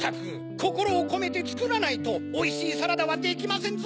こころをこめてつくらないとおいしいサラダはできませんぞ。